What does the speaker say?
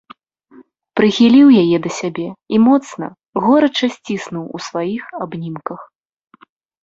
Прыхіліў яе да сябе і моцна, горача сціснуў у сваіх абнімках.